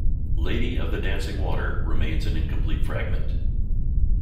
"Lady Of The Dancing Water" remains an incomplete fragment.